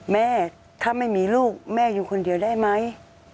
แม่ถ้าไม่มีลูกแม่อยู่คนเดียวได้ไหม